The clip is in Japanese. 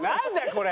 これ。